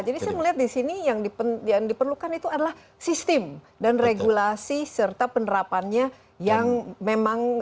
jadi saya melihat di sini yang diperlukan itu adalah sistem dan regulasi serta penerapannya yang memang jalan